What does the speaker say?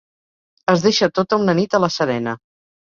Es deixa tota una nit a la serena.